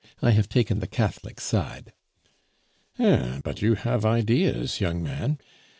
I have taken the Catholic side." "Eh! but you have ideas, young man.